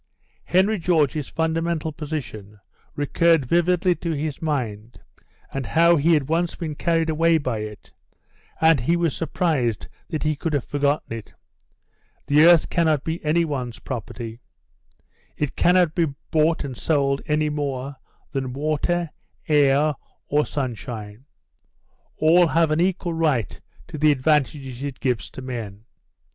Henry George's fundamental position recurred vividly to his mind and how he had once been carried away by it, and he was surprised that he could have forgotten it. The earth cannot be any one's property; it cannot be bought or sold any more than water, air, or sunshine. All have an equal right to the advantages it gives to men.